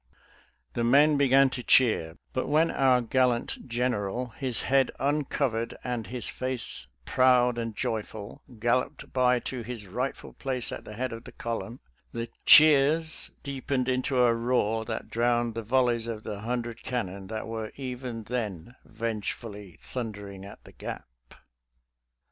The men began to cheer, but when our gallant Gen eral, his head uncovered and his face proud and joyful, galloped by to his rightful place at the head of the column, the cheers deepened into a roar that drowned the volleys of the hundred cannon that were even then vengefully thunder ing at the Gap.